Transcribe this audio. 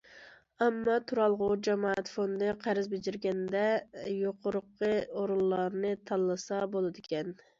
ئامما تۇرالغۇ جامائەت فوندى قەرز بېجىرگەندە، يۇقىرىقى ئورۇنلارنى تاللىسا بولىدىكەن.